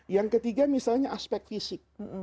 yang ketiga misalnya aspek fisik